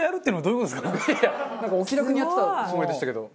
なんかお気楽にやってたつもりでしたけど。